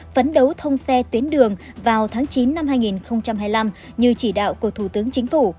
phấn đấu thông xe tuyến đường vào tháng chín năm hai nghìn hai mươi năm như chỉ đạo của thủ tướng chính phủ